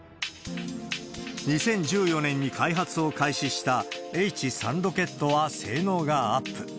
２０１４年に開発を開始したＨ３ロケットは性能がアップ。